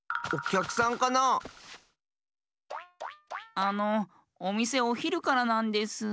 あのおみせおひるからなんです。